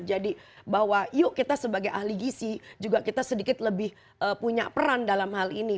jadi bahwa yuk kita sebagai ahli gisi juga kita sedikit lebih punya peran dalam hal ini